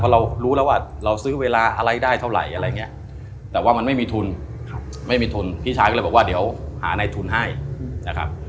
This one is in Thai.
เรารู้แล้วว่าเราซื้อเวลาอะไรได้เท่าไหร่อะไรอย่างนี้แต่ว่ามันไม่มีทุนไม่มีทุนพี่ชายก็เลยบอกว่าเดี๋ยวหาในทุนให้นะครับ